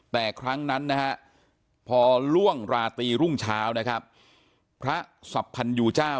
แต่ครั้งนั้นพอล่วงลาตีรุ่งเช้าพระศัพท์พันธ์อยู่เจ้า